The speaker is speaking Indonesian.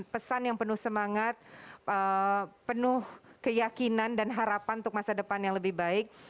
pesan yang penuh semangat penuh keyakinan dan harapan untuk masa depan yang lebih baik